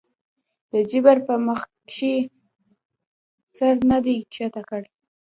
د جبر پۀ مخکښې سر نه دے ښکته کړے